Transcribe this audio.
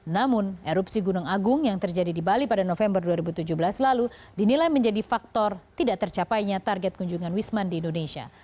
namun erupsi gunung agung yang terjadi di bali pada november dua ribu tujuh belas lalu dinilai menjadi faktor tidak tercapainya target kunjungan wisman di indonesia